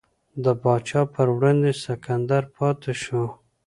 د پاچا پر وړاندې سنګر پاتې شو.